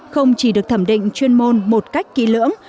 không chỉ được thẩm định chuyên môn một cách kỹ lưỡng